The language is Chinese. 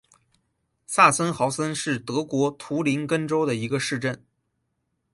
萨森豪森是德国图林根州的一个市镇。